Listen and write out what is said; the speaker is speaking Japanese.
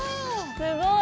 すごい！